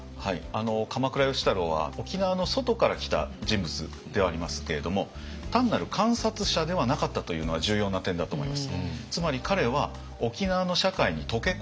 鎌倉芳太郎は沖縄の外から来た人物ではありますけれども単なる観察者ではなかったというのは重要な点だと思います。